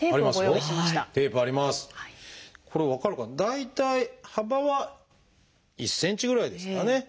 大体幅は１ｃｍぐらいですかね。